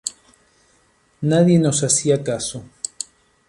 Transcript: Nadie nos hacía caso.